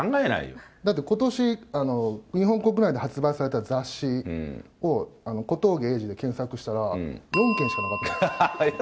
だってことし、日本国内で発売された雑誌を小峠英二で検索したら、４件しかなかったんです。